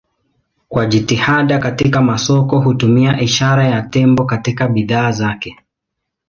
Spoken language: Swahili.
Kwa jitihada katika masoko hutumia ishara ya tembo katika bidhaa zake.